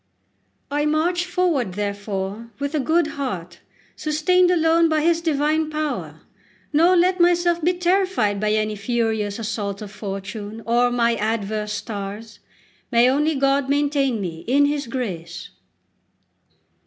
I march forward, therefore, with a good heart, sustained alone by His divine power; nor let myself be terrified by any furious assault of fortune or my adverse stars. May only God maintain me in His grace!